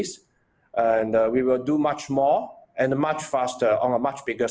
dan kita akan melakukan lebih banyak dan lebih cepat di skala yang lebih besar